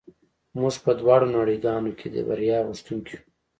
موږ په دواړو نړۍ ګانو کې د بریا غوښتونکي یو